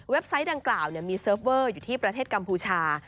ไซต์ดังกล่าวมีเซิร์ฟเวอร์อยู่ที่ประเทศกัมพูชา